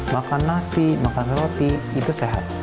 makan nasi makan roti itu sehat